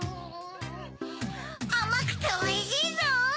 あまくておいしいゾウ！